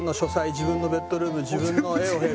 自分のベッドルーム自分の絵の部屋